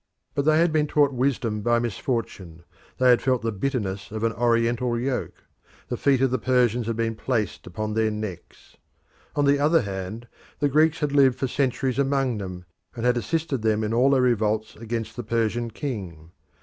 But they had been taught wisdom by misfortune; they had felt the bitterness of an Oriental yoke; the feet of the Persians had been placed upon their necks. On the other hand, the Greeks had lived for centuries among them, and had assisted them in all their revolts against the Persian king.